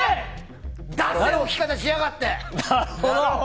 だせえ置き方しやがって！